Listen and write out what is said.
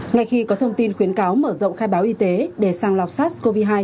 ngay khi có thông tin khuyến cáo mở rộng khai báo y tế để sàng lọc sars cov hai